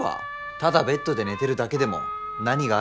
ただベッドで寝てるだけでも何があるか分からないのに？